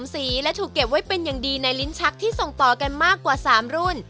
สีและถูกเก็บไว้เป็นอย่างดีในลิ้นชักที่ส่งต่อกันมากกว่า๓รุ่น